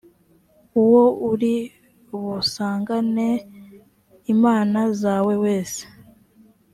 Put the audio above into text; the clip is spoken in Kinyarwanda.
uwo uri busangane imana zawe wese